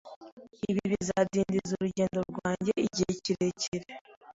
Ibi bizadindiza urugendo rwanjye igihe kirekire.